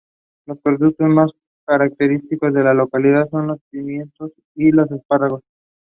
This is an extremely difficult species to cultivate in areas with less frigid climates.